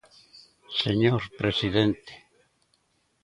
¿Señor presidente?